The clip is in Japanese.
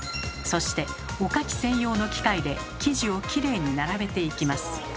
そしておかき専用の機械で生地をきれいに並べていきます。